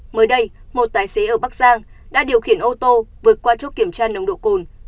mới đây một tài xế ở bắc giang đã điều khiển ô tô vượt qua chốt kiểm tra nồng độ cồn